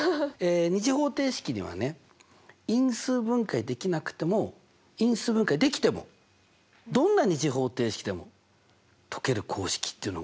２次方程式にはね因数分解できなくても因数分解できてもどんな２次方程式でも解ける公式っていうのがあるんです。